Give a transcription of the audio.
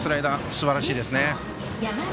すばらしいですね。